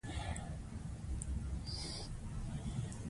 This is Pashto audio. یو توری هم یوه څپه کېدای شي.